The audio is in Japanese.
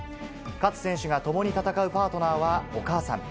勝選手が共に戦うパートナーはお母さん。